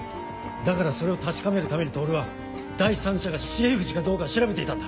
だからそれを確かめるために透は第三者が重藤かどうか調べていたんだ。